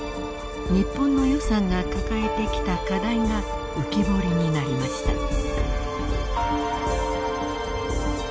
日本の予算が抱えてきた課題が浮き彫りになりました。